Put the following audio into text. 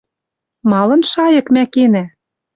Малын шайык мӓ кенӓ?